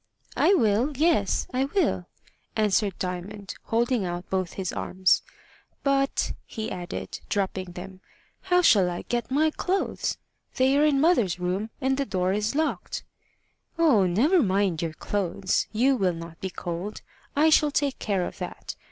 "I will; yes, I will," answered Diamond, holding out both his arms. "But," he added, dropping them, "how shall I get my clothes? They are in mother's room, and the door is locked." "Oh, never mind your clothes. You will not be cold. I shall take care of that.